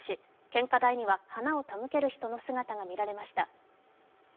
献花台には花を手向ける人の姿が見られました。